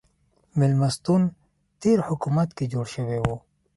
مېلمستون تېر حکومت کې جوړ شوی و.